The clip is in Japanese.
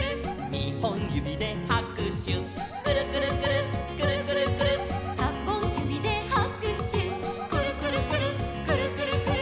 「にほんゆびではくしゅ」「くるくるくるっくるくるくるっ」「さんぼんゆびではくしゅ」「くるくるくるっくるくるくるっ」